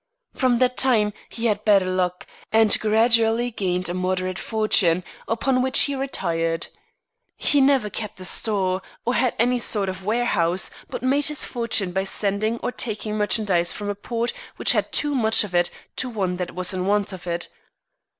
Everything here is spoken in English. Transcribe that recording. From that time he had better luck, and gradually gained a moderate fortune, upon which he retired. He never kept a store, or had any sort of warehouse, but made his fortune by sending or taking merchandise from a port which had too much of it to one that was in want of it.